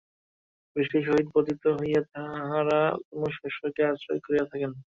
বৃষ্টির সহিত পতিত হইয়া তাঁহারা কোন শস্যকে আশ্রয় করিয়া থাকেন।